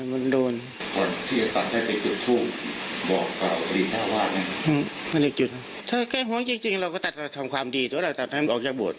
ไม่ได้จุดถ้าแก้หัวจริงเราก็ตัดทำความดีแต่ว่าเราตัดให้ออกจากโบด